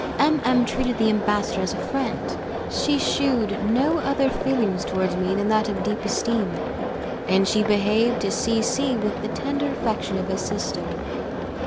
M M treated the ambassador as a friend. She shewed no other feeling towards me than that of deep esteem, and she behaved to C C with the tender affection of a sister.